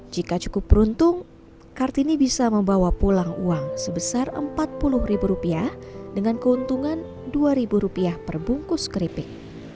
jika cukup beruntung kartini bisa membawa pulang uang sebesar empat puluh ribu rupiah dengan keuntungan dua ribu rupiah per bungkus keripik